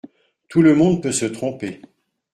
Tout le monde peut se tromper.